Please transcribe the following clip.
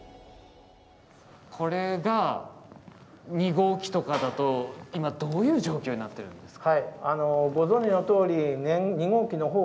これが２号機とかだと今どういう状況になってるんですか？